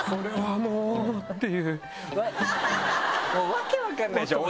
訳分かんないでしょ？